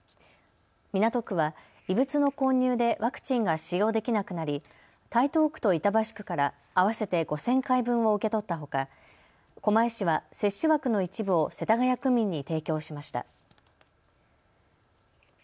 港区は異物の混入でワクチンが使用できなくなり台東区と板橋区から合わせて５０００回分を受け取ったほか狛江市は接種枠の一部を世田谷区民に提供しました。